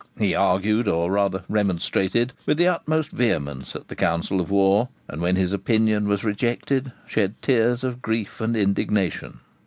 He argued, or rather remonstrated, with the utmost vehemence at the council of war; and, when his opinion was rejected, shed tears of grief and indignation.